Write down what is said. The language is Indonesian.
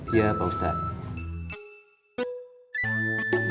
iya pak ustadz